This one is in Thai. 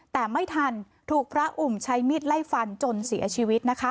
แต่ไม่ทันถูกพระอุ่มใช้มีดไล่ฟันจนเสียชีวิตนะคะ